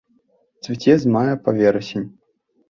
Цвіце з мая па верасень.